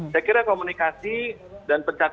saya kira komunikasi itu bisa berjalan dengan lebih cepat